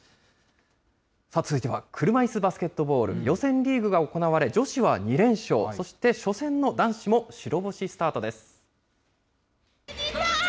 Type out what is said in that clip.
続いては車いすバスケットボール、予選リーグが行われ、女子は２連勝、そして初戦の男子も白星スタートです。